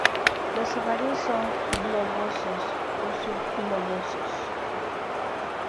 Los ovarios son globosos o subglobosos.